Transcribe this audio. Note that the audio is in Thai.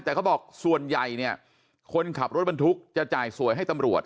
แต่เขาบอกส่วนใหญ่เนี่ยคนขับรถบรรทุกจะจ่ายสวยให้ตำรวจ